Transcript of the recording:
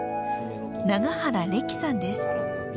永原レキさんです。